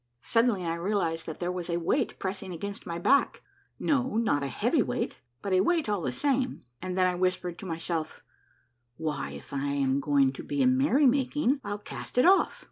Suddenly I realized that there was a weight pressing against my back, no, not a heavy weight, but a weight all the same, and then I whispered to myself, " Why, if I am going to a merry making, I'll cast it off